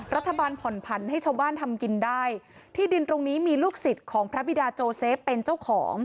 รัฐบาลผ่อนผันให้ชาวบ้านทำกินได้ที่ดินตรงนี้มีลูกศิษย์ของพระบิดาโจเซฟเป็นเจ้าของ